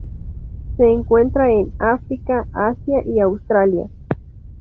Se encuentra en África, Asia y Australia.